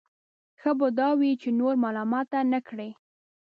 ښه به دا وي چې نور ملامته نه کړي.